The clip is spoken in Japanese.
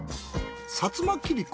薩摩切子